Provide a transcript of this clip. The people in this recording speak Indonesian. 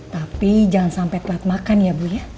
tapi jangan sampai telat makan ya bu ya